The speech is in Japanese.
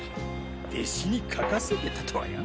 弟子に書かせてたとはよ。